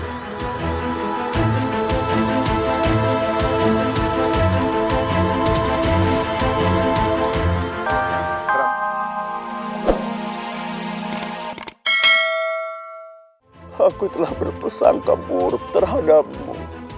guru aku telah berpersangka buruk terhadapmu